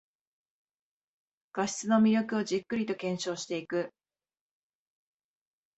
画質の魅力をじっくりと検証していく